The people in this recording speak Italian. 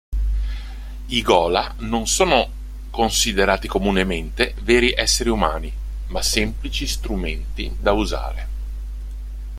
I ghola non sono considerati comunemente veri esseri umani, ma semplici strumenti da usare.